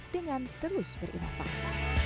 dengan terus berimafas